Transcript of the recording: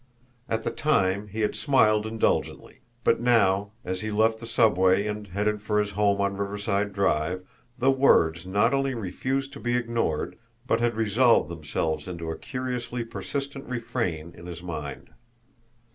At the time, he had smiled indulgently; but now, as he left the subway and headed for his home on Riverside Drive, the words not only refused to be ignored, but had resolved themselves into a curiously persistent refrain in his mind.